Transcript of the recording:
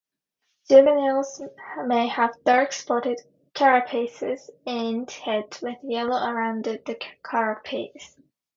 Juveniles may have dark-spotted carapaces and heads, with yellow around the carapace.